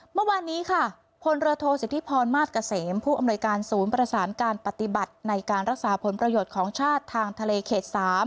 เมื่อวานนี้ค่ะพลเรือโทษสิทธิพรมาสเกษมผู้อำนวยการศูนย์ประสานการปฏิบัติในการรักษาผลประโยชน์ของชาติทางทะเลเขต๓